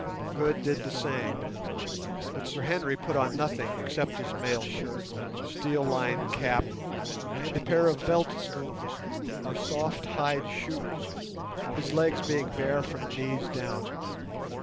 Good did the same, but Sir Henry put on nothing except his mail shirt, steel lined cap, and a pair of "veldt schoons" or soft hide shoes, his legs being bare from the knees down.